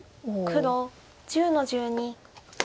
黒１０の十二。